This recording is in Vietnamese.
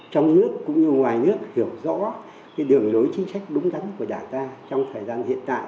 trong nước cũng như ngoài nước hiểu rõ đường lối chính sách đúng đắn của đảng ta trong thời gian hiện tại